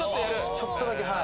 ちょっとだけはい。